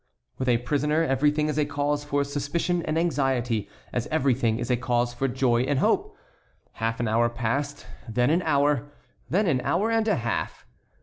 With a prisoner everything is a cause for suspicion and anxiety, as everything is a cause for joy and hope. Half an hour passed, then an hour, then an hour and a half.